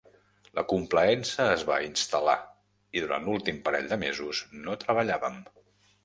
La complaença es va instal·lar, i durant l'últim parell de mesos no treballàvem.